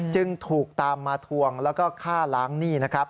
จึงถูกตามมาทวงและฆ่าล้างหนี้